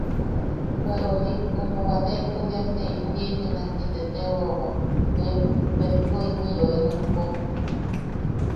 Bwe, ori... ume waate estudiantem indigenas ti teteuwawa bem... bempo imiʼi yoinokpo.